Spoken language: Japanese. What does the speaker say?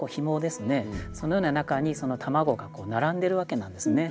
そのような中に卵が並んでるわけなんですね。